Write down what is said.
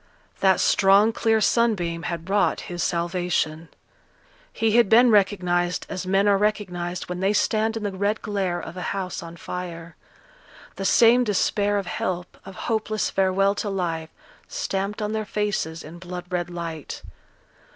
That strong clear sunbeam had wrought his salvation. He had been recognized as men are recognized when they stand in the red glare of a house on fire; the same despair of help, of hopeless farewell to life, stamped on their faces in blood red light.